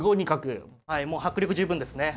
はいもう迫力十分ですね。